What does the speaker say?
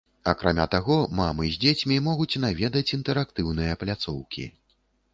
Акрамя таго, мамы з дзецьмі могуць наведаць інтэрактыўныя пляцоўкі.